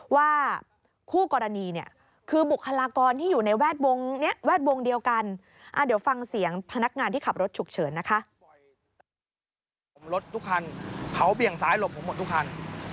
ว่าคู่กรณีคือบุคลากรที่อยู่ในแวดวงเดียวกัน